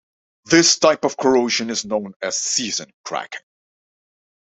This type of corrosion is known as season cracking.